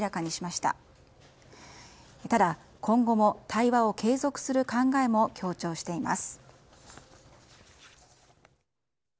ただ、今後も対話を継続する考えも強調しています。